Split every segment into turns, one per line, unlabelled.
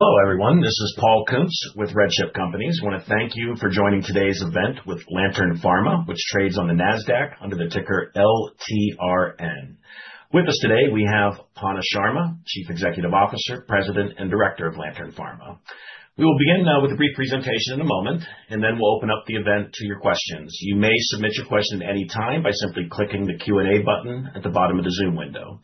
Hello, everyone. This is Paul Kuntz with RedChip Companies. I want to thank you for joining today's event with Lantern Pharma, which trades on the NASDAQ under the ticker LTRN. With us today, we have Panna Sharma, Chief Executive Officer, President, and Director of Lantern Pharma. We will begin with a brief presentation in a moment, and then we'll open up the event to your questions. You may submit your question at any time by simply clicking the Q&A button at the bottom of the Zoom window.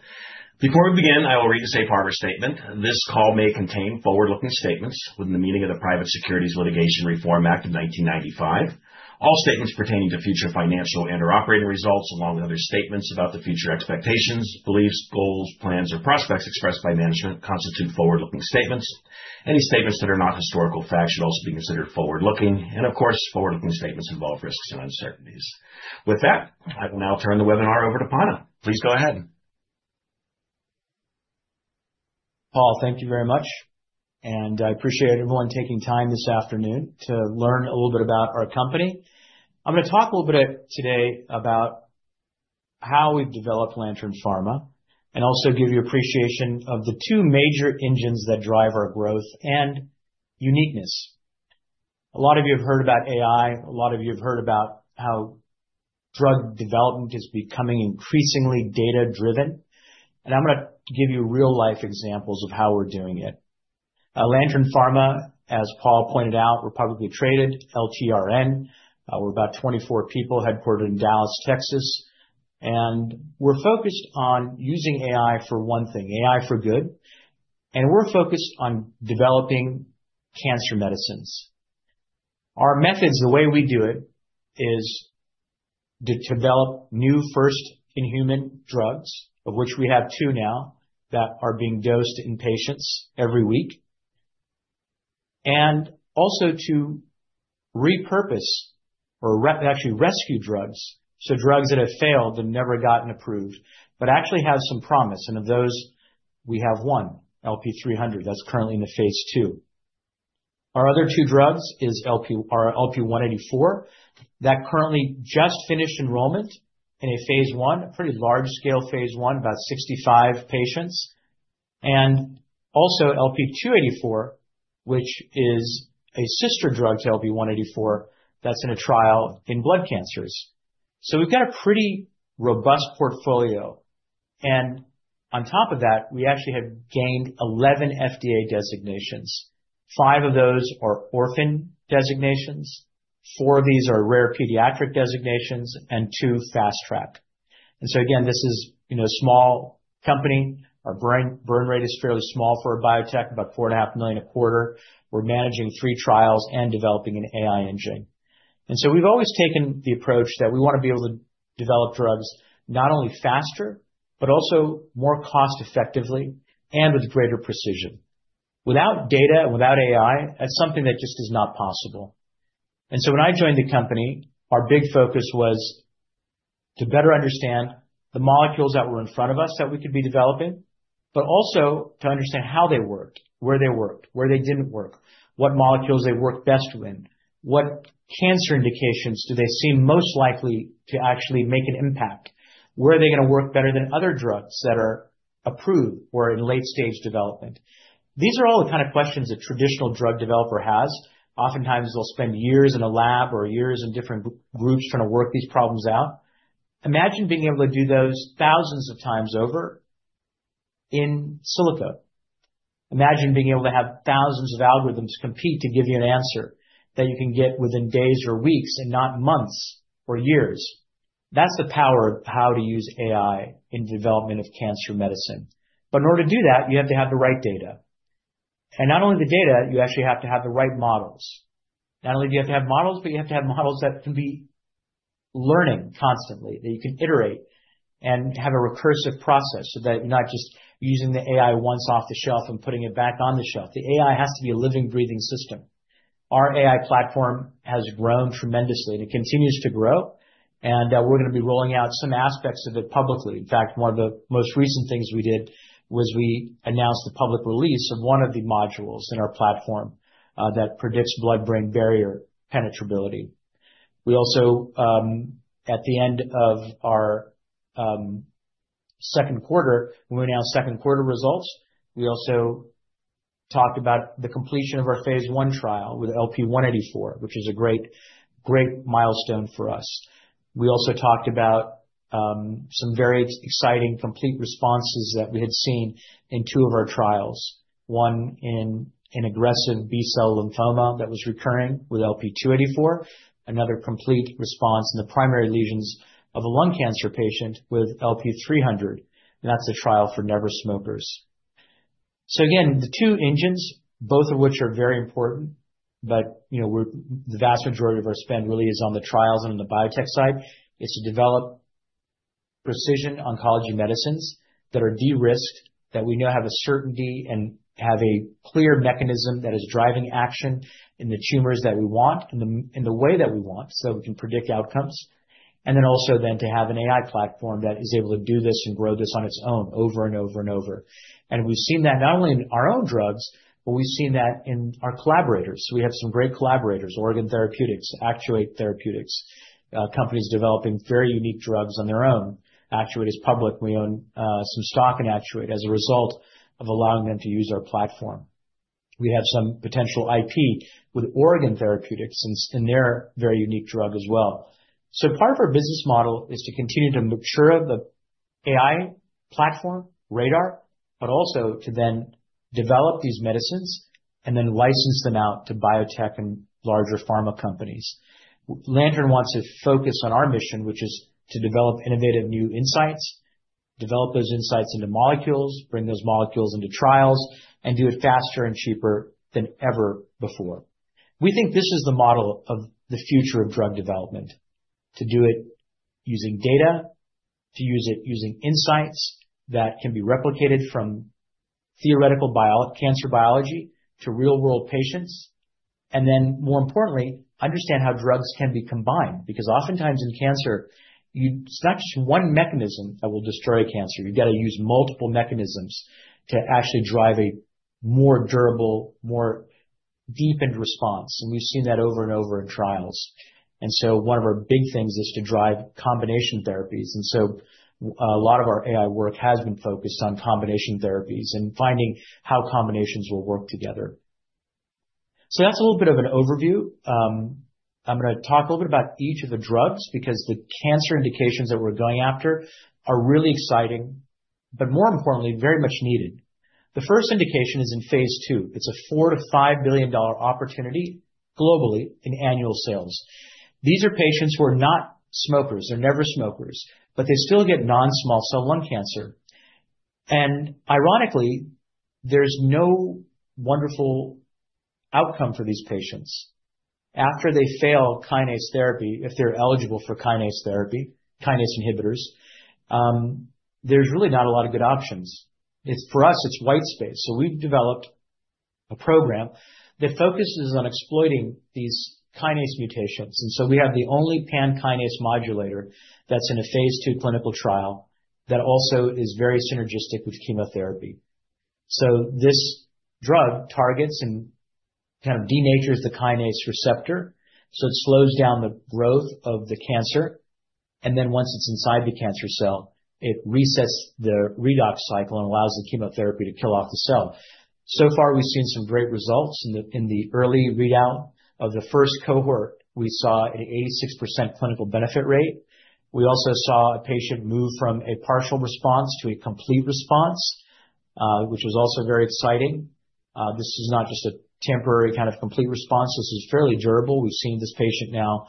Before we begin, I will read the safe harbor statement. This call may contain forward-looking statements within the meaning of the Private Securities Litigation Reform Act of 1995. All statements pertaining to future financial and/or operating results, along with other statements about the future expectations, beliefs, goals, plans, or prospects expressed by management constitute forward-looking statements. Any statements that are not historical fact should also be considered forward-looking. Forward-looking statements involve risks and uncertainties. With that, I will now turn the webinar over to Panna. Please go ahead.
Paul, thank you very much. I appreciate everyone taking time this afternoon to learn a little bit about our company. I'm going to talk a little bit today about how we've developed Lantern Pharma and also give you appreciation of the two major engines that drive our growth and uniqueness. A lot of you have heard about AI. A lot of you have heard about how drug development is becoming increasingly data-driven. I'm going to give you real-life examples of how we're doing it. Lantern Pharma, as Paul pointed out, we're publicly traded, LTRN. We're about 24 people headquartered in Dallas, Texas. We're focused on using AI for one thing, AI for good. We're focused on developing cancer medicines. Our methods, the way we do it, is to develop new first in human drugs, of which we have two now that are being dosed in patients every week. We also repurpose or actually rescue drugs, so drugs that have failed and never gotten approved but actually have some promise. Of those, we have one, LP-300, that's currently in a phase II. Our other two drugs are LP-184, that currently just finished enrollment in a phase I, a pretty large-scale phase I, about 65 patients, and also LP-284, which is a sister drug to LP-184 that's in a trial in blood cancers. We've got a pretty robust portfolio. On top of that, we actually have gained 11 FDA designations. Five of those are orphan designations, four of these are rare pediatric designations, and two fast track. This is a small company. Our burn rate is fairly small for a biotech, about $4.5 million a quarter. We're managing three trials and developing an AI engine. We've always taken the approach that we want to be able to develop drugs not only faster but also more cost-effectively and with greater precision. Without data and without AI, that's something that just is not possible. When I joined the company, our big focus was to better understand the molecules that were in front of us that we could be developing, but also to understand how they worked, where they worked, where they didn't work, what molecules they worked best with, what cancer indications do they seem most likely to actually make an impact, where are they going to work better than other drugs that are approved or in late-stage development. These are all the kind of questions a traditional drug developer has. Oftentimes, they'll spend years in a lab or years in different groups trying to work these problems out. Imagine being able to do those thousands of times over in silico. Imagine being able to have thousands of algorithms compete to give you an answer that you can get within days or weeks, not months or years. That's the power of how to use AI in the development of cancer medicine. In order to do that, you have to have the right data. Not only the data, you actually have to have the right models. Not only do you have to have models, but you have to have models that can be learning constantly, that you can iterate and have a recursive process so that you're not just using the AI once off the shelf and putting it back on the shelf. The AI has to be a living, breathing system. Our AI platform has grown tremendously and it continues to grow. We're going to be rolling out some aspects of it publicly. In fact, one of the most recent things we did was we announced the public release of one of the modules in our platform that predicts blood-brain barrier penetrability. At the end of our second quarter, we announced second quarter results. We also talked about the completion of our phase I trial with LP-184, which is a great, great milestone for us. We also talked about some very exciting complete responses that we had seen in two of our trials. One in an aggressive B-cell lymphoma that was recurring with LP-284. Another complete response in the primary lesions of a lung cancer patient with LP-300. That's a trial for never smokers. The two engines, both of which are very important, but the vast majority of our spend really is on the trials and on the biotech side, is to develop precision oncology medicines that are de-risked, that we now have a certainty and have a clear mechanism that is driving action in the tumors that we want in the way that we want so that we can predict outcomes. Also, to have an AI platform that is able to do this and grow this on its own over and over and over. We've seen that not only in our own drugs, but we've seen that in our collaborators. We have some great collaborators, Oregon Therapeutics, Actuate Therapeutics, companies developing very unique drugs on their own. Actuate is public. We own some stock in Actuate as a result of allowing them to use our platform. We have some potential IP with Oregon Therapeutics in their very unique drug as well. Part of our business model is to continue to mature the AI platform, RADR, but also to then develop these medicines and then license them out to biotech and larger pharma companies. Lantern Pharma wants to focus on our mission, which is to develop innovative new insights, develop those insights into molecules, bring those molecules into trials, and do it faster and cheaper than ever before. We think this is the model of the future of drug development, to do it using data, to use it using insights that can be replicated from theoretical cancer biology to real-world patients. More importantly, understand how drugs can be combined. Oftentimes in cancer, it's not just one mechanism that will destroy cancer. You've got to use multiple mechanisms to actually drive a more durable, more deepened response. We've seen that over and over in trials. One of our big things is to drive combination therapies. A lot of our AI work has been focused on combination therapies and finding how combinations will work together. That's a little bit of an overview. I'm going to talk a little bit about each of the drugs because the cancer indications that we're going after are really exciting, but more importantly, very much needed. The first indication is in phase II. It's a $4 billion-$5 billion opportunity globally in annual sales. These are patients who are not smokers. They're never smokers, but they still get non-small cell lung cancer. Ironically, there's no wonderful outcome for these patients. After they fail kinase therapy, if they're eligible for kinase therapy, kinase inhibitors, there's really not a lot of good options. For us, it's white space. We've developed a program that focuses on exploiting these kinase mutations. We have the only pan kinase modulator that's in a phase II clinical trial that also is very synergistic with chemotherapy. This drug targets and kind of denatures the kinase receptor. It slows down the growth of the cancer, and then once it's inside the cancer cell, it resets the redox cycle and allows the chemotherapy to kill off the cell. So far, we've seen some great results. In the early readout of the first cohort, we saw an 86% clinical benefit rate. We also saw a patient move from a partial response to a complete response, which was also very exciting. This is not just a temporary kind of complete response. This is fairly durable. We've seen this patient now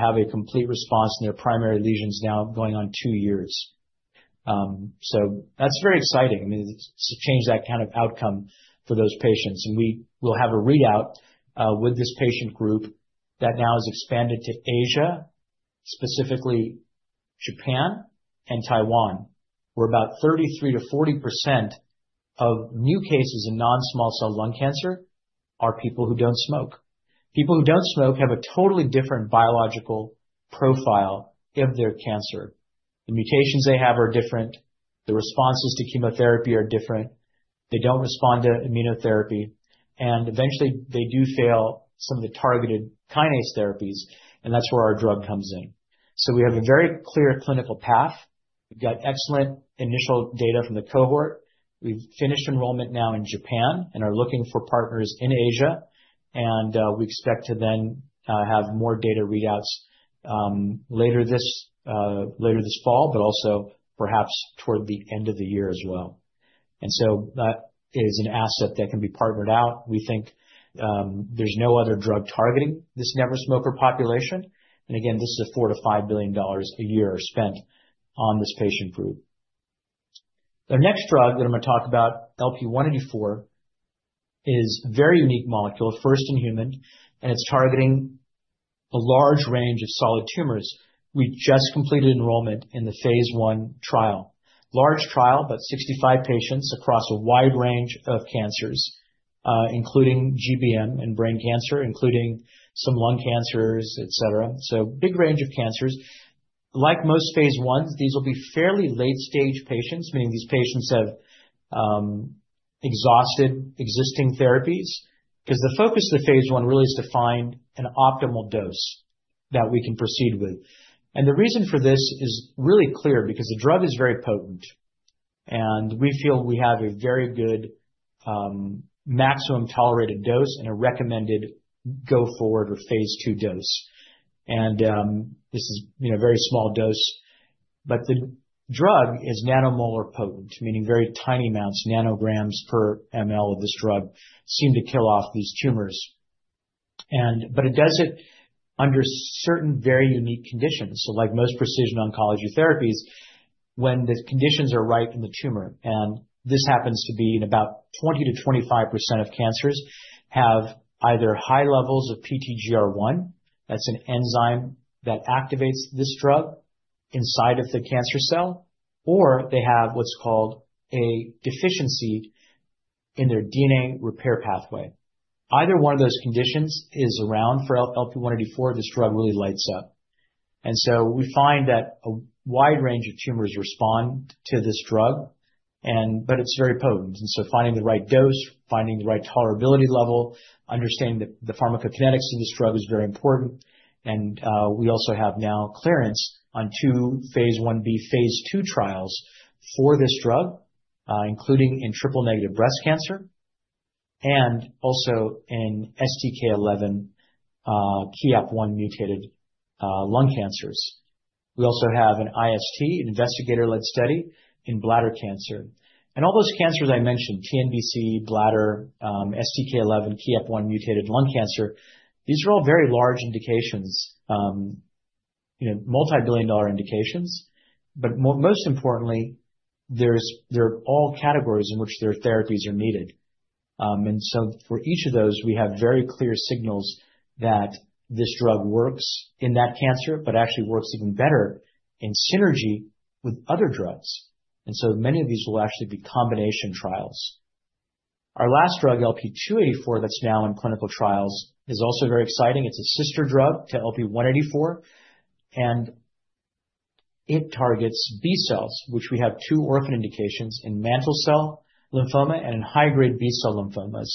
have a complete response in their primary lesions now going on two years. That's very exciting. I mean, it's to change that kind of outcome for those patients. We will have a readout with this patient group that now has expanded to Asia, specifically Japan and Taiwan, where about 33%-40% of new cases in non-small cell lung cancer are people who don't smoke. People who don't smoke have a totally different biological profile of their cancer. The mutations they have are different. The responses to chemotherapy are different. They don't respond to immunotherapy. Eventually, they do fail some of the targeted kinase therapies. That's where our drug comes in. We have a very clear clinical path. We've got excellent initial data from the cohort. We've finished enrollment now in Japan and are looking for partners in Asia. We expect to then have more data readouts later this fall, but also perhaps toward the end of the year as well. That is an asset that can be partnered out. We think there's no other drug targeting this never smoker population. Again, this is a $4 billion- $5 billion a year spent on this patient group. The next drug that I'm going to talk about, LP-184, is a very unique molecule, first in human. It's targeting a large range of solid tumors. We just completed enrollment in the phase I trial. Large trial, about 65 patients across a wide range of cancers, including GBM and brain cancer, including some lung cancers, et cetera. A big range of cancers. Like most phase Is, these will be fairly late-stage patients, meaning these patients have exhausted existing therapies. The focus of the phase I really is to find an optimal dose that we can proceed with. The reason for this is really clear because the drug is very potent. We feel we have a very good maximum tolerated dose and a recommended go-forward or phase II dose. This is a very small dose. The drug is nanomolar potent, meaning very tiny amounts, nanograms per mL of this drug, seem to kill off these tumors. It does it under certain very unique conditions. Like most precision oncology therapies, when the conditions are right in the tumor, and this happens to be in about 20%-25% of cancers, have either high levels of PTGR1, that's an enzyme that activates this drug inside of the cancer cell, or they have what's called a deficiency in their DNA repair pathway. Either one of those conditions is around for LP-184, this drug really lights up. We find that a wide range of tumors respond to this drug, but it's very potent. Finding the right dose, finding the right tolerability level, understanding the pharmacokinetics of this drug is very important. We also have now clearance on two phase I-B/phase II trials for this drug, including in triple negative breast cancer and also in STK11/KEAP1-mutated lung cancers. We also have an IST, an investigator-led study in bladder cancer. All those cancers I mentioned, TNBC, bladder, STK11/KEAP1-mutated lung cancer, these are all very large indications, multibillion-dollar indications. Most importantly, they're all categories in which therapies are needed. For each of those, we have very clear signals that this drug works in that cancer, but actually works even better in synergy with other drugs. Many of these will actually be combination trials. Our last drug, LP-284, that's now in clinical trials is also very exciting. It's a sister drug to LP-184. It targets B-cells, which we have two orphan indications in mantle cell lymphoma and in high-grade B-cell lymphomas.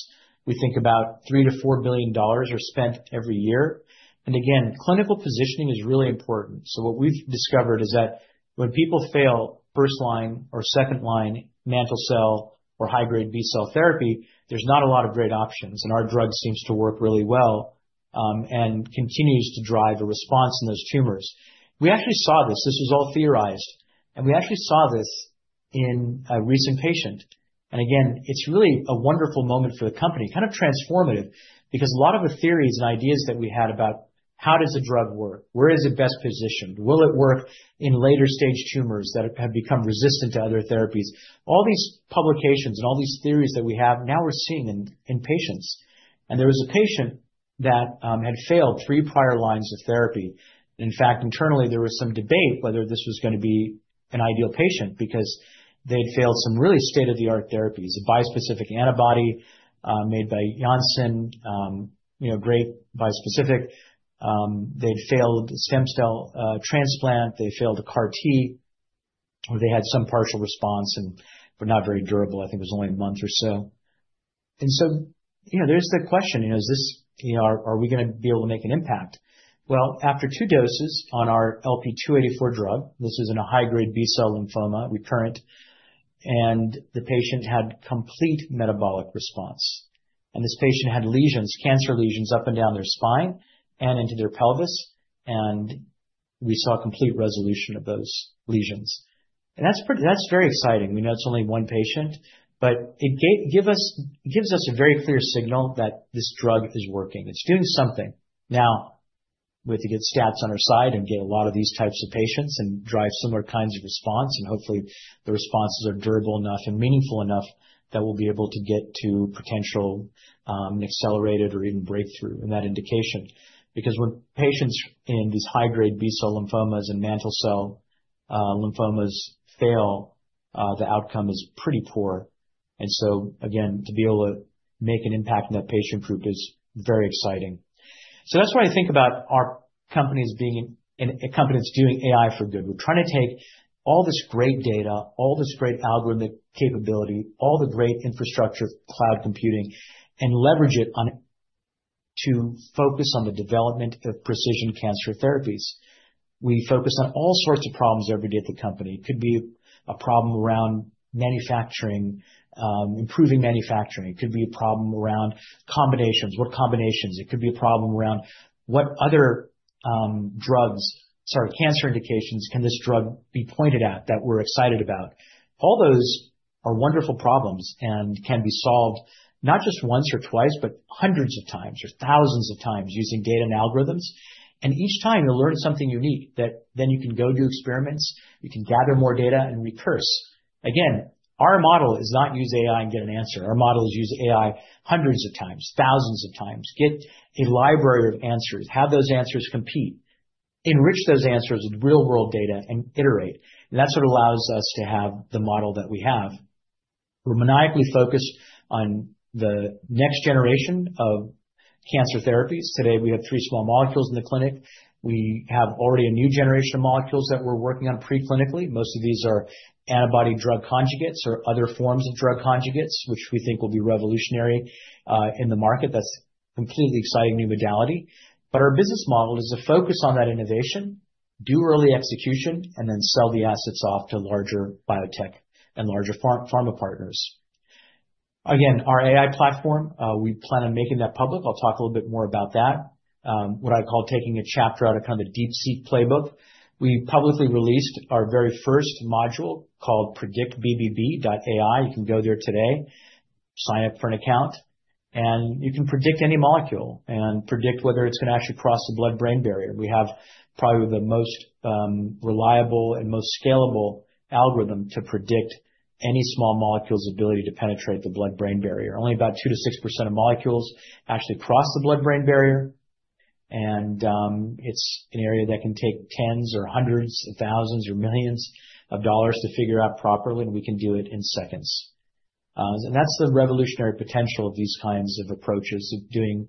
We think about $3 billion-$4 billion are spent every year. Again, clinical positioning is really important. What we've discovered is that when people fail first line or second line mantle cell or high-grade B-cell therapy, there's not a lot of great options. Our drug seems to work really well and continues to drive a response in those tumors. We actually saw this. This was all theorized. We actually saw this in a recent patient. It's really a wonderful moment for the company, kind of transformative. A lot of the theories and ideas that we had about how does the drug work, where is it best positioned, will it work in later-stage tumors that have become resistant to other therapies, all these publications and all these theories that we have now we're seeing in patients. There was a patient that had failed three prior lines of therapy. In fact, internally, there was some debate whether this was going to be an ideal patient because they'd failed some really state-of-the-art therapies, a bispecific antibody made by Janssen, great bispecific. They'd failed a stem cell transplant. They failed a CAR-T. Or they had some partial response and were not very durable. I think it was only a month or so. There is the question, you know, are we going to be able to make an impact? After two doses on our LP-284 drug, this is in a high-grade B-cell lymphoma, recurrent, and the patient had complete metabolic response. This patient had lesions, cancer lesions up and down their spine and into their pelvis. We saw complete resolution of those lesions. That is very exciting. We know it's only one patient, but it gives us a very clear signal that this drug is working. It's doing something. Now, we have to get stats on our side and get a lot of these types of patients and drive similar kinds of response. Hopefully, the responses are durable enough and meaningful enough that we'll be able to get to potential accelerated or even breakthrough in that indication. When patients in these high-grade B-cell lymphomas and mantle cell lymphomas fail, the outcome is pretty poor. To be able to make an impact in that patient group is very exciting. That is why I think about our company as being a company that's doing AI for good. We're trying to take all this great data, all this great algorithmic capability, all the great infrastructure, cloud computing, and leverage it to focus on the development of precision cancer therapies. We focus on all sorts of problems every day at the company. It could be a problem around manufacturing, improving manufacturing. It could be a problem around combinations, what combinations. It could be a problem around what other drugs, sorry, cancer indications can this drug be pointed at that we're excited about. All those are wonderful problems and can be solved not just once or twice, but hundreds of times or thousands of times using data and algorithms. Each time, you'll learn something unique that then you can go do experiments. You can gather more data and recurse. Our model is not use AI and get an answer. Our model is use AI hundreds of times, thousands of times. Get a library of answers. Have those answers compete. Enrich those answers with real-world data and iterate. That is what allows us to have the model that we have. We're maniacally focused on the next generation of cancer therapies. Today, we have three small molecules in the clinic. We have already a new generation of molecules that we're working on preclinically. Most of these are antibody-drug conjugates or other forms of drug conjugates, which we think will be revolutionary in the market. That's a completely exciting new modality. Our business model is to focus on that innovation, do early execution, and then sell the assets off to larger biotech and larger pharma partners. Again, our AI platform, we plan on making that public. I'll talk a little bit more about that. What I call taking a chapter out of kind of the deep sea playbook. We publicly released our very first module called PredictBBB.ai. You can go there today, sign up for an account, and you can predict any molecule and predict whether it's going to actually cross the blood-brain barrier. We have probably the most reliable and most scalable algorithm to predict any small molecule's ability to penetrate the blood-brain barrier. Only about 2%-6% of molecules actually cross the blood-brain barrier. It's an area that can take tens or hundreds of thousands or millions of dollars to figure out properly. We can do it in seconds. That's the revolutionary potential of these kinds of approaches to doing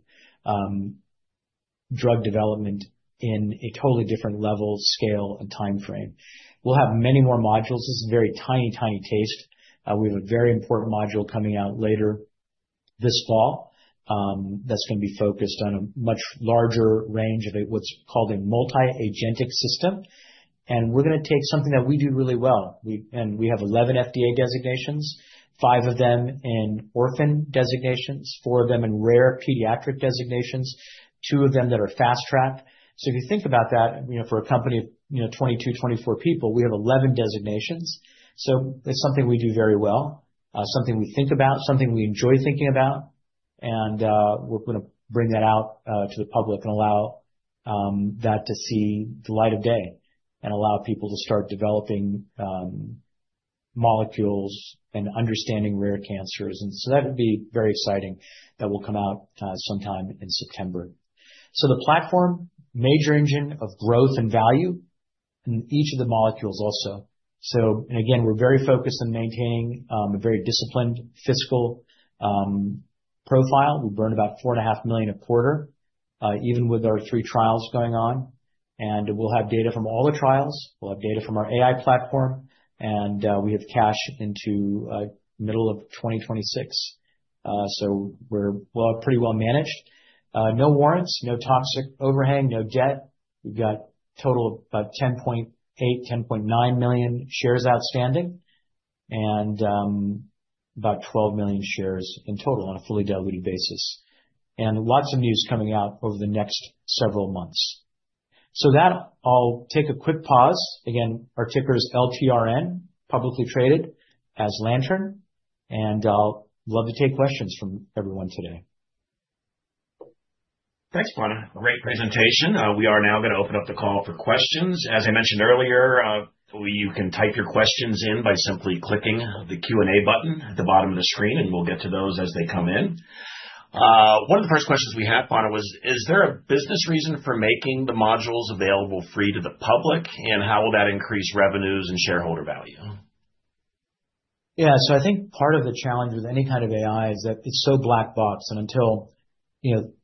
drug development in a totally different level, scale, and time frame. We'll have many more modules. This is a very tiny, tiny taste. We have a very important module coming out later this fall that's going to be focused on a much larger range of what's called a multi-agentic system. We're going to take something that we do really well. We have 11 FDA designations, five of them in orphan designations, four of them in rare pediatric designations, two of them that are fast track. If you think about that, for a company of 22, 24 people, we have 11 designations. It's something we do very well, something we think about, something we enjoy thinking about. We're going to bring that out to the public and allow that to see the light of day and allow people to start developing molecules and understanding rare cancers. That would be very exciting, that will come out sometime in September. The platform, major engine of growth and value in each of the molecules also. We're very focused on maintaining a very disciplined fiscal profile. We burn about $4.5 million a quarter, even with our three trials going on. We'll have data from all the trials. We'll have data from our AI platform. We have cash into the middle of 2026. We're pretty well managed. No warrants, no toxic overhang, no debt. We've got a total of about 10.8 million, 10.9 million shares outstanding and about 12 million shares in total on a fully diluted basis. Lots of news coming out over the next several months. I'll take a quick pause. Again, our ticker is LTRN, publicly traded as Lantern. I'd love to take questions from everyone today.
Thanks, Panna. Great presentation. We are now going to open up the call for questions. As I mentioned earlier, you can type your questions in by simply clicking the Q&A button at the bottom of the screen, and we'll get to those as they come in. One of the first questions we had, Panna, was, is there a business reason for making the modules available free to the public, and how will that increase revenues and shareholder value?
Yeah, I think part of the challenge with any kind of AI is that it's so black-box. Until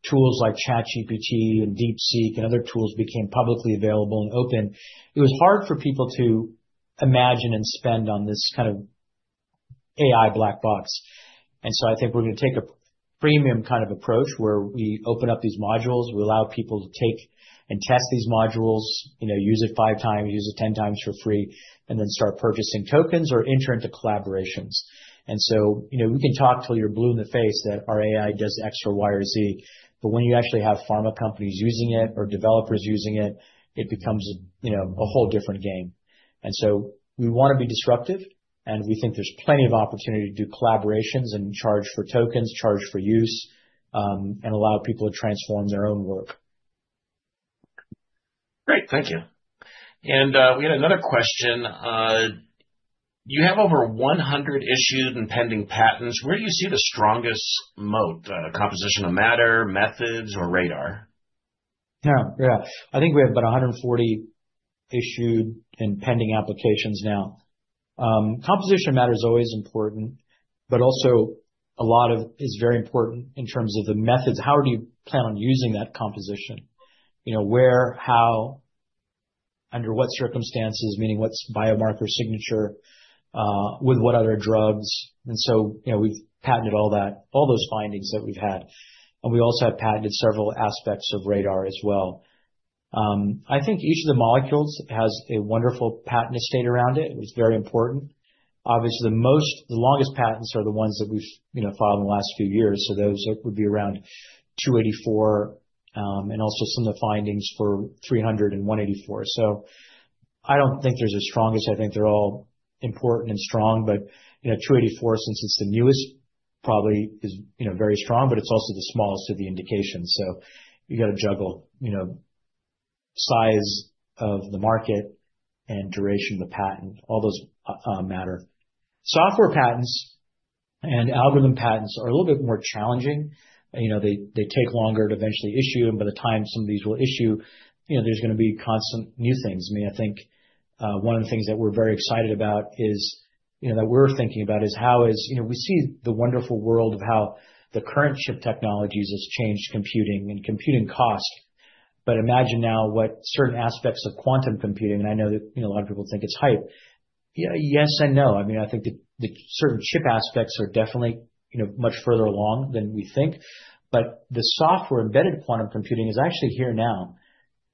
tools like ChatGPT and DeepSeek and other tools became publicly available and open, it was hard for people to imagine and spend on this kind of AI black-box. I think we're going to take a freemium kind of approach where we open up these modules. We allow people to take and test these modules, use it 5x, use it 10x for free, and then start purchasing tokens or enter into collaborations. We can talk till you're blue in the face that our AI does X, Y, or Z, but when you actually have pharma companies using it or developers using it, it becomes a whole different game. We want to be disruptive. We think there's plenty of opportunity to do collaborations and charge for tokens, charge for use, and allow people to transform their own work.
Great, thank you. We had another question. You have over 100 issued and pending patents. Where do you see the strongest moat? Composition of matter, methods, or RADR?
Yeah, yeah. I think we have about 140 issued and pending applications now. Composition of matter is always important, but also, a lot of it is very important in terms of the methods. How do you plan on using that composition? You know, where, how, under what circumstances, meaning what's biomarker signature, with what other drugs? We've patented all those findings that we've had. We also have patented several aspects of RADR as well. I think each of the molecules has a wonderful patent estate around it. It's very important. Obviously, the longest patents are the ones that we've filed in the last few years. Those would be around LP-284 and also some of the findings for LP-300 and LP-184. I don't think there's a strongest. I think they're all important and strong. LP-284, since it's the newest, probably is very strong, but it's also the smallest of the indications. You've got to juggle size of the market and duration of the patent. All those matter. Software patents and algorithm patents are a little bit more challenging. They take longer to eventually issue, and by the time some of these will issue, there's going to be constant new things. One of the things that we're very excited about is that we're thinking about how we see the wonderful world of how the current chip technologies have changed computing and computing costs. Imagine now what certain aspects of quantum computing, and I know that a lot of people think it's hype. Yeah, yes and no. I think that the sort of chip aspects are definitely much further along than we think, but the software embedded quantum computing is actually here now.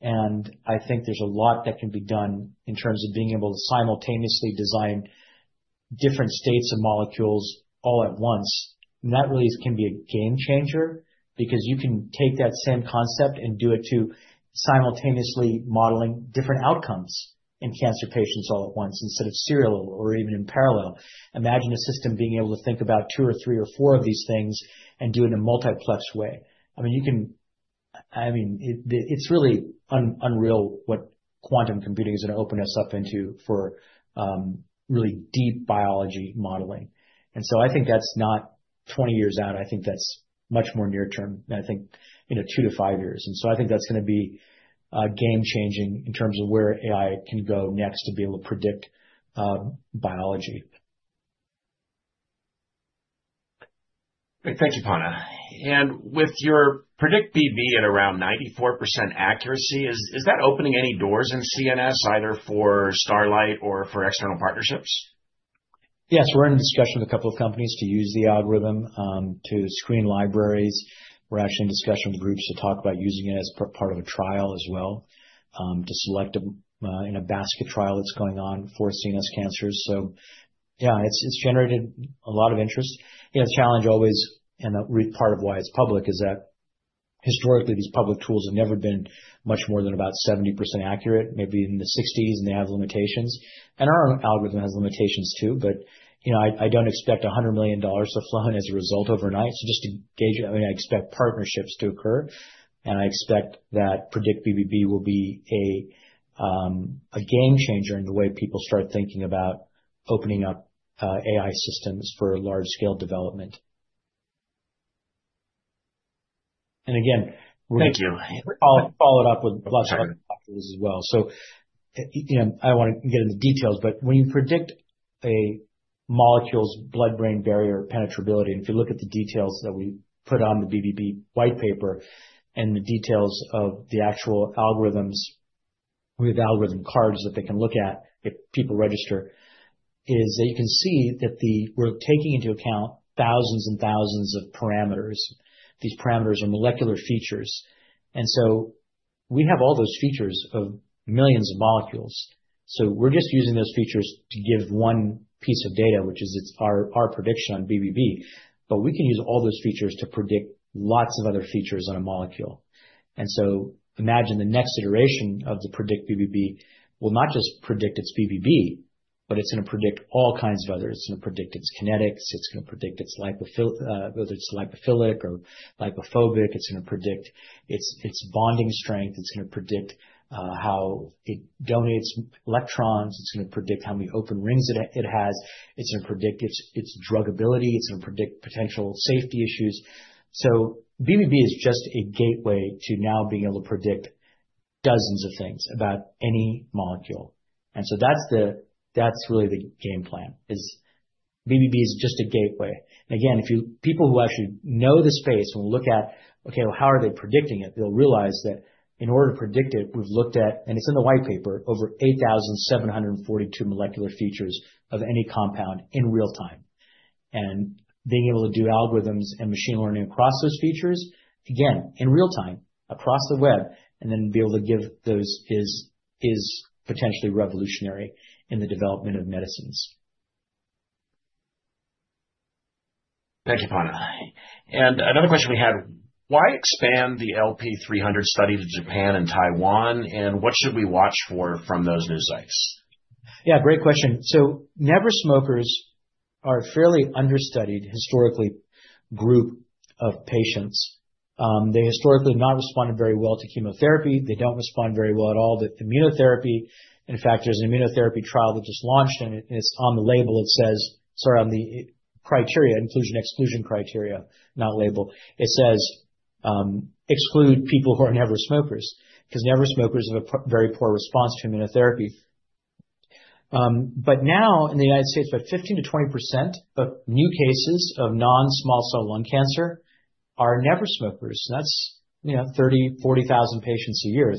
I think there's a lot that can be done in terms of being able to simultaneously design different states of molecules all at once. That really can be a game changer because you can take that same concept and do it to simultaneously modeling different outcomes in cancer patients all at once instead of serial or even in parallel. Imagine a system being able to think about two or three or four of these things and do it in a multiplex way. It's really unreal what quantum computing is going to open us up into for really deep biology modeling. I think that's not 20 years out. I think that's much more near term. I think two to five years. I think that's going to be game changing in terms of where AI can go next to be able to predict biology.
Thank you, Panna. With your PredictBBB at around 94% accuracy, is that opening any doors in CNS either for Starlight or for external partnerships?
Yes, we're in discussion with a couple of companies to use the algorithm to screen libraries. We're actually in discussion with groups to talk about using it as part of a trial as well to select in a basket trial that's going on for CNS cancers. It's generated a lot of interest. The challenge always, and a part of why it's public, is that historically, these public tools have never been much more than about 70% accurate, maybe in the 60%s, and they have limitations. Our algorithm has limitations too. I don't expect $100 million to flow in as a result overnight. Just to gauge that, I expect partnerships to occur. I expect that PredictBBB will be a game changer in the way people start thinking about opening up AI systems for large-scale development. We're going to follow it up with lots of other topics as well. I don't want to get into details. When you predict a molecule's blood-brain barrier penetrability, and if you look at the details that we put on the BBB white paper and the details of the actual algorithms with algorithm cards that they can look at if people register, you can see that we're taking into account thousands and thousands of parameters. These parameters are molecular features. We have all those features of millions of molecules. We're just using those features to give one piece of data, which is our prediction on BBB. We can use all those features to predict lots of other features on a molecule. Imagine the next iteration of the PredictBBB will not just predict its BBB, but it's going to predict all kinds of others. It's going to predict its kinetics. It's going to predict its lipophilic or lipophobic. It's going to predict its bonding strength. It's going to predict how it donates electrons. It's going to predict how many open rings it has. It's going to predict its drug ability. It's going to predict potential safety issues. BBB is just a gateway to now being able to predict dozens of things about any molecule. That's really the game plan. BBB is just a gateway. If people who actually know the space and look at, OK, well, how are they predicting it, they'll realize that in order to predict it, we've looked at, and it's in the white paper, over 8,742 molecular features of any compound in real-time. Being able to do algorithms and machine learning across those features, again, in real-time, across the web, and then be able to give those is potentially revolutionary in the development of medicines.
Thank you, Panna. Another question we had, why expand the LP-300 study to Japan and Taiwan? What should we watch for from those new sites?
Yeah, great question. Never-smokers are a fairly understudied historically group of patients. They historically have not responded very well to chemotherapy. They don't respond very well at all to immunotherapy. In fact, there's an immunotherapy trial that just launched, and it's on the criteria, inclusion exclusion criteria, not label, it says, exclude people who are never-smokers because never-smokers have a very poor response to immunotherapy. Now in the U.S., about 15%-20% of new cases of non-small cell lung cancer are never-smokers, and that's 30,000-40,000 patients a year.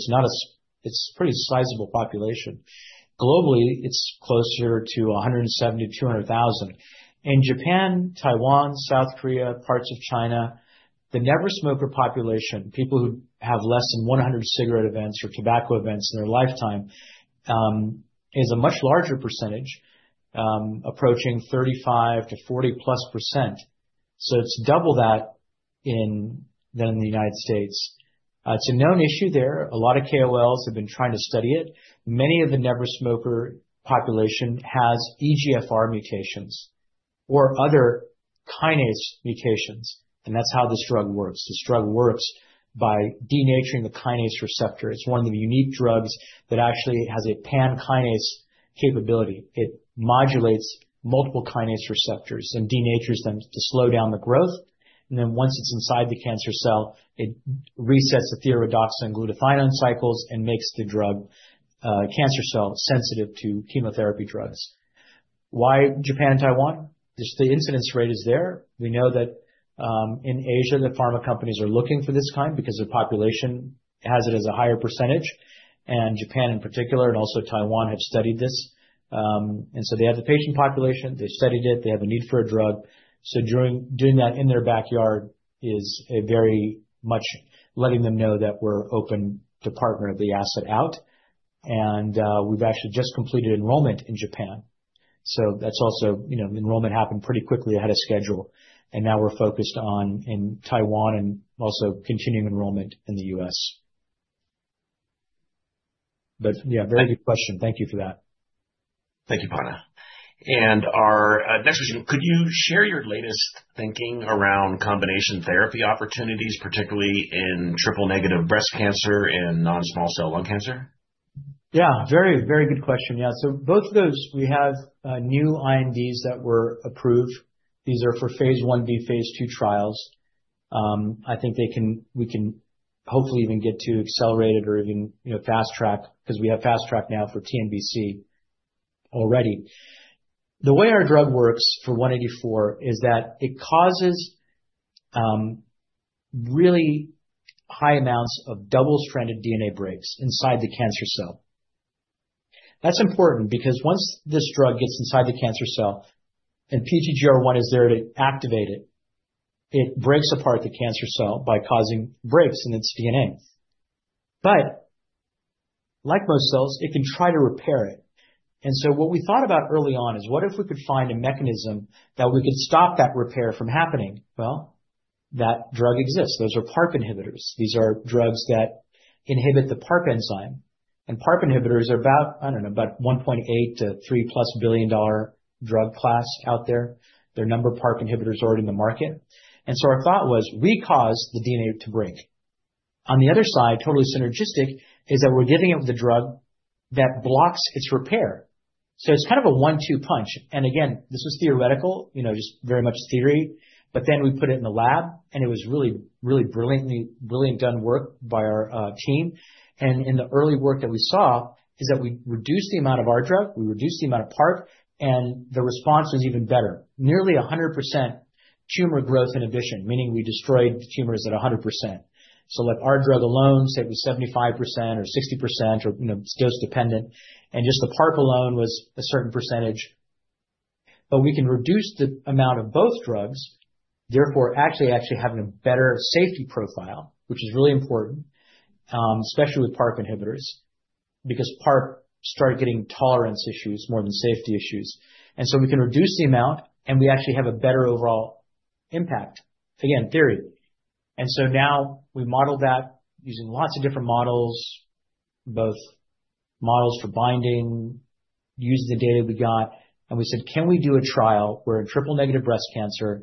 It's a pretty sizable population. Globally, it's closer to 170,000-200,000. In Japan, Taiwan, South Korea, parts of China, the never-smoker population, people who have less than 100 cigarette events or tobacco events in their lifetime, is a much larger percentage, approaching 35%-40%+. It's double that than in the United States. It's a known issue there. A lot of KOLs have been trying to study it. Many of the never-smoker population have EGFR mutations or other kinase mutations, and that's how this drug works. This drug works by denaturing the kinase receptor. It's one of the unique drugs that actually has a pan kinase capability. It modulates multiple kinase receptors and denatures them to slow down the growth, and then once it's inside the cancer cell, it resets the thioredoxin-glutathione and makes the cancer cell sensitive to chemotherapy drugs. Why Japan and Taiwan? The incidence rate is there. We know that in Asia, the pharma companies are looking for this kind because the population has it as a higher percentage. Japan in particular and also Taiwan have studied this, and so they have the patient population. They studied it. They have a need for a drug. Doing that in their backyard is very much letting them know that we're open to partner the asset out. We've actually just completed enrollment in Japan, so that's also, enrollment happened pretty quickly ahead of schedule. Now we're focused on in Taiwan and also continuing enrollment in the U.S. Yeah, very good question. Thank you for that.
Thank you, Panna. Could you share your latest thinking around combination therapy opportunities, particularly in Triple Negative Breast Cancer and non-small cell lung cancer?
Yeah, very, very good question. Yeah, so both of those, we have new INDs that were approved. These are for phase I-B/phase II trials. I think we can hopefully even get to accelerated or even fast track because we have fast track now for TNBC already. The way our drug works for LP-184 is that it causes really high amounts of double-stranded DNA breaks inside the cancer cell. That's important because once this drug gets inside the cancer cell and PTGR1 is there to activate it, it breaks apart the cancer cell by causing breaks in its DNA. Like most cells, it can try to repair it. What we thought about early on is what if we could find a mechanism that we could stop that repair from happening? That drug exists. Those are PARP inhibitors. These are drugs that inhibit the PARP enzyme. PARP inhibitors are about, I don't know, about $1.8 billion-$3+ billion plus drug class out there. There are a number of PARP inhibitors already in the market. Our thought was we cause the DNA to break. On the other side, totally synergistic, is that we're giving them the drug that blocks its repair. It's kind of a one-two punch. This was theoretical, just very much theory. We put it in the lab. It was really, really brilliantly done work by our team. In the early work that we saw is that we reduced the amount of our drug. We reduced the amount of PARP. The response was even better, nearly 100% tumor growth inhibition, meaning we destroyed tumors at 100%. Our drug alone saved 75% or 60% or dose dependent. Just the PARP alone was a certain percentage. We can reduce the amount of both drugs, therefore actually having a better safety profile, which is really important, especially with PARP inhibitors, because PARP started getting tolerance issues more than safety issues. We can reduce the amount. We actually have a better overall impact, again, theory. Now we model that using lots of different models, both models for binding, using the data we got. We said, can we do a trial where in Triple Negative Breast Cancer,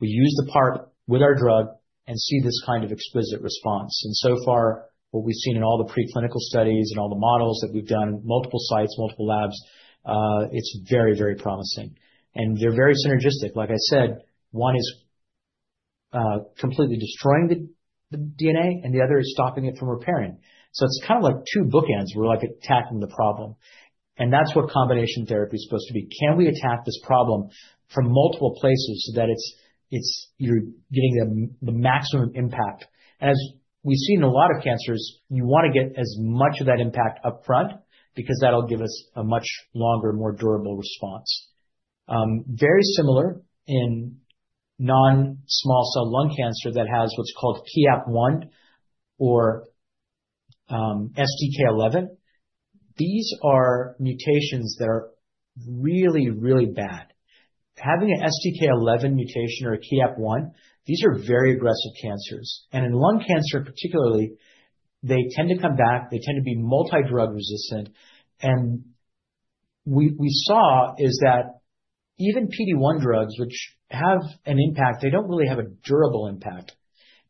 we use the PARP with our drug and see this kind of exquisite response? So far, what we've seen in all the preclinical studies and all the models that we've done, multiple sites, multiple labs, it's very, very promising. They're very synergistic. Like I said, one is completely destroying the DNA. The other is stopping it from repairing. It's kind of like two bookends where we're attacking the problem. That's what combination therapy is supposed to be. Can we attack this problem from multiple places so that you're getting the maximum impact? As we see in a lot of cancers, you want to get as much of that impact up front because that'll give us a much longer, more durable response. Very similar in non-small cell lung cancer that has what's called KEAP1 or STK11. These are mutations that are really, really bad. Having an STK11 mutation or a KEAP1, these are very aggressive cancers. In lung cancer particularly, they tend to come back. They tend to be multi-drug resistant. What we saw is that even PD-1 drugs, which have an impact, don't really have a durable impact.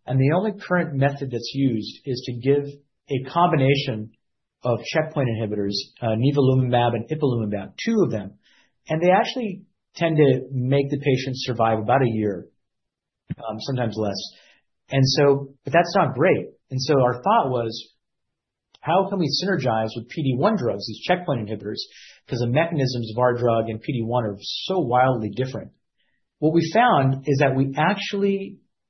The only current method that's used is to give a combination of checkpoint inhibitors, nivolumab and ipilimumab, two of them. They actually tend to make the patient survive about a year, sometimes less. That's not great. Our thought was, how can we synergize with PD-1 drugs, these checkpoint inhibitors? The mechanisms of our drug and PD-1 are so wildly different. What we found is that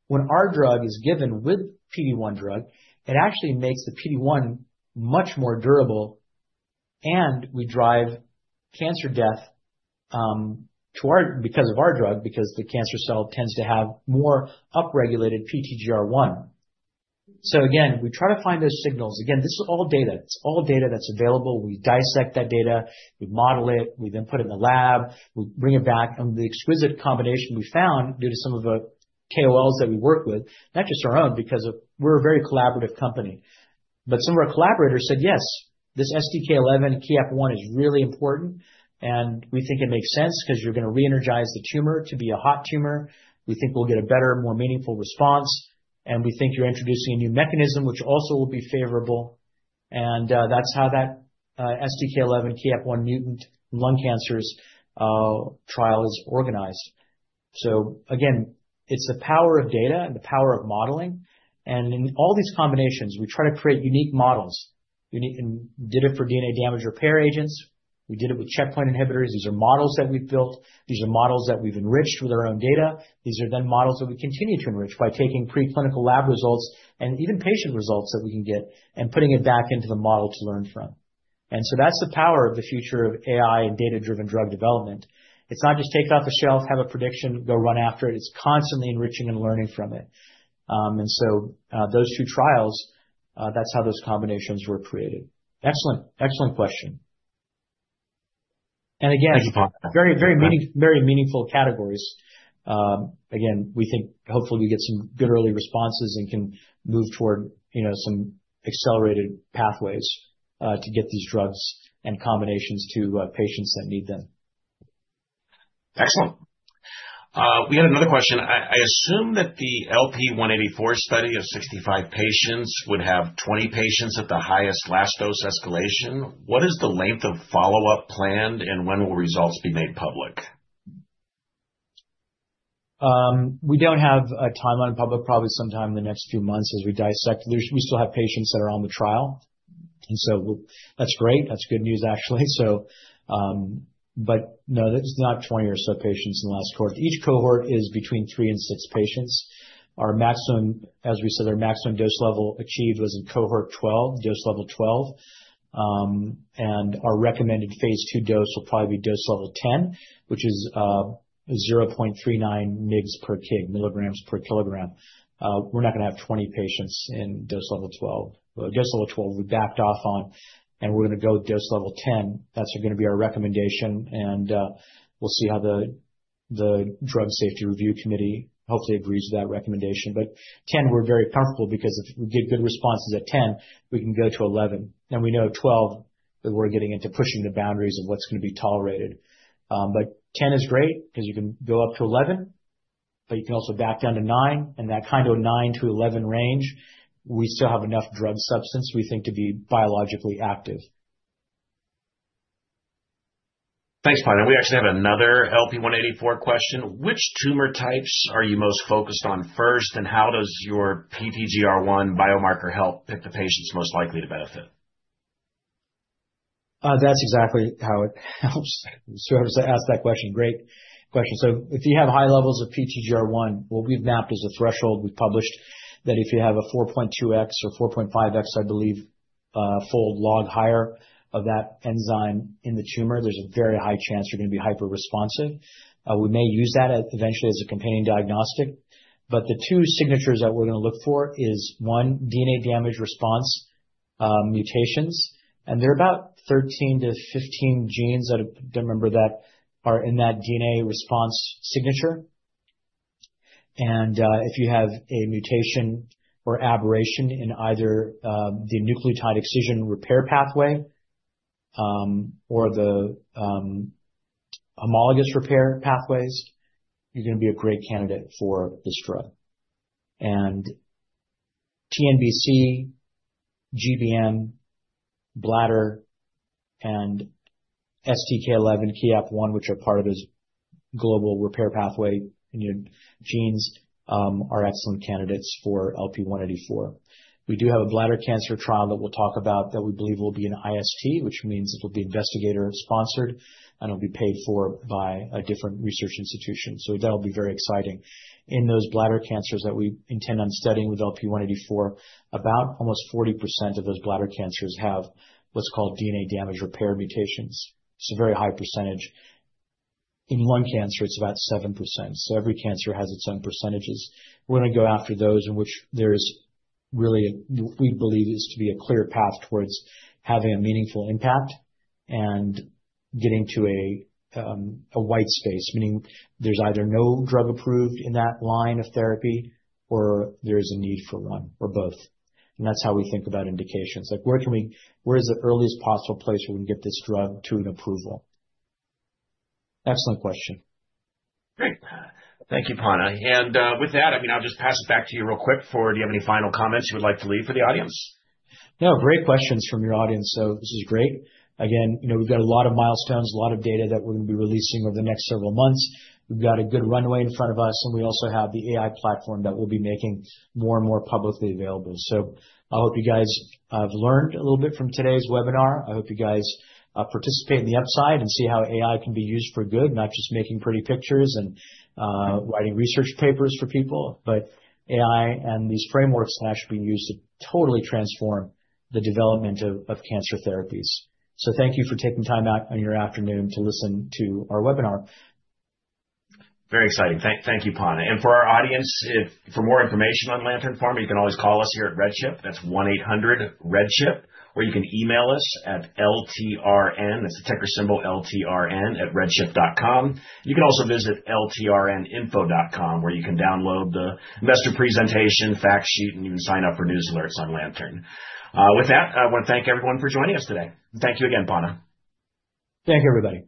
when our drug is given with PD-1 drug, it actually makes the PD-1 much more durable. We drive cancer death because of our drug, because the cancer cell tends to have more upregulated PTGR1. We try to find those signals. This is all data. It's all data that's available. We dissect that data. We model it. We then put it in the lab. We bring it back. The exquisite combination we found due to some of the KOLs that we work with, not just our own, because we're a very collaborative company. Some of our collaborators said, yes, this STK11/KEAP1 is really important. We think it makes sense because you're going to re-energize the tumor to be a hot tumor. We think we'll get a better, more meaningful response. We think you're introducing a new mechanism, which also will be favorable. That's how that STK11/KEAP1-mutant lung cancers trial is organized. It's the power of data and the power of modeling. In all these combinations, we try to create unique models. We did it for DNA damage repair agents. We did it with checkpoint inhibitors. These are models that we've built. These are models that we've enriched with our own data. These are then models that we continue to enrich by taking preclinical lab results and even patient results that we can get and putting it back into the model to learn from. That's the power of the future of AI and data-driven drug development. It's not just take it off a shelf, have a prediction, go run after it. It's constantly enriching and learning from it. Those two trials, that's how those combinations were created. Excellent, excellent question. Very, very meaningful categories. We think hopefully we get some good early responses and can move toward some accelerated pathways to get these drugs and combinations to patients that need them.
Excellent. We had another question. I assume that the LP-184 study of 65 patients would have 20 patients at the highest last dose escalation. What is the length of follow-up planned? When will results be made public?
We don't have a timeline public, probably sometime in the next few months as we dissect. We still have patients that are on the trial, so that's great. That's good news, actually. There's not 20 or so patients in the last cohort. Each cohort is between three and six patients. Our maximum, as we said, our maximum dose level achieved was in cohort 12, dose level 12. Our recommended phase I dose will probably be dose level 10, which is 0.39 mg/kg, milligrams per kilogram. We're not going to have 20 patients in dose level 12. Dose level 12 we backed off on, and we're going to go with dose level 10. That's going to be our recommendation. We'll see how the Drug Safety Review Committee hopefully agrees with that recommendation. Ten, we're very comfortable because if we get good responses at 10, we can go to 11. We know at 12, we're getting into pushing the boundaries of what's going to be tolerated. Ten is great because you can go up to 11, but you can also back down to nine. That kind of nine to 11 range, we still have enough drug substance we think to be biologically active.
Thanks, Panna. We actually have another LP-184 question. Which tumor types are you most focused on first? How does your PTGR1 biomarker help pick the patients most likely to benefit?
That's exactly how it helps. I'm sure I was asked that question. Great question. If you have high levels of PTGR1, what we've mapped as a threshold, we've published that if you have a 4.2x or 4.5x, I believe, fold log higher of that enzyme in the tumor, there's a very high chance you're going to be hyper-responsive. We may use that eventually as a companion diagnostic. The two signatures that we're going to look for are, one, DNA damage response mutations. There are about 13-15 genes that are in that DNA response signature. If you have a mutation or aberration in either the nucleotide excision repair pathway or the homologous repair pathways, you're going to be a great candidate for this drug. TNBC, GBM, bladder, and STK11/KEAP1, which are part of those global repair pathway genes, are excellent candidates for LP-184. We do have a bladder cancer trial that we'll talk about that we believe will be an IST, which means it'll be investigator-sponsored, and it'll be paid for by a different research institution. That'll be very exciting. In those bladder cancers that we intend on studying with LP-184, about almost 40% of those bladder cancers have what's called DNA damage repair mutations. It's a very high percentage. In lung cancer, it's about 7%. Every cancer has its own percentages. We're going to go after those in which there is really, we believe it is to be a clear path towards having a meaningful impact and getting to a white space, meaning there's either no drug approved in that line of therapy or there is a need for one or both. That's how we think about indications, like where can we, where is the earliest possible place where we can get this drug to an approval? Excellent question.
Great. Thank you, Panna. With that, I'll just pass it back to you real quick. Do you have any final comments you would like to leave for the audience?
Great questions from your audience. This is great. Again, you know we've got a lot of milestones, a lot of data that we're going to be releasing over the next several months. We've got a good runway in front of us. We also have the AI platform that we'll be making more and more publicly available. I hope you guys have learned a little bit from today's webinar. I hope you guys participate in the upside and see how AI can be used for good, not just making pretty pictures and writing research papers for people. AI and these frameworks can actually be used to totally transform the development of cancer therapies. Thank you for taking time out on your afternoon to listen to our webinar.
Very exciting. Thank you, Panna. For our audience, for more information on Lantern Pharma, you can always call us here at RedChip. That's 1-800-REDCHIP, or you can email us at LTRN. That's the ticker symbol LTRN at redchip.com. You can also visit ltrninfo.com, where you can download the investor presentation, fact sheet, and even sign up for news alerts on Lantern. With that, I want to thank everyone for joining us today. Thank you again, Panna.
Thank you, everybody.